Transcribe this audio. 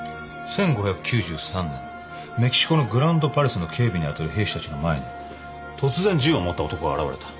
１５９３年メキシコのグランドパレスの警備にあたる兵士たちの前に突然銃を持った男が現れた。